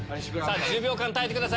１０秒間耐えてください。